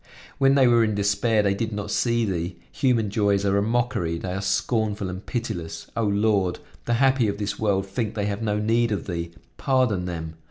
When they were in despair they did not see Thee! Human joys are a mockery; they are scornful and pitiless; O Lord! the happy of this world think they have no need of Thee! Pardon them.